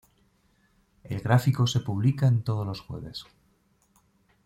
El gráfico se publica en todos los jueves.